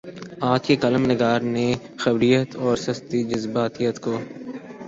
آج کے کالم نگار نے خبریت اورسستی جذباتیت کو